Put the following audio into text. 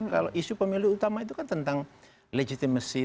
kalau isu pemilu utama itu kan tentang legitimasi